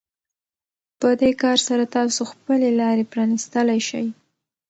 په دې کار سره تاسو خپلې لارې پرانيستلی شئ.